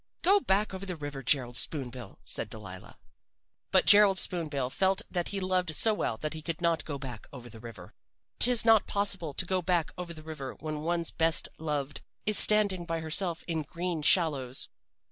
"'Go back over the river, Gerald Spoon bill!' said Delilah. "But Gerald Spoon bill felt that he loved so well that he could not go back over the river. "'Tis not possible to go back over the river when one's best loved is standing by herself in green shallows.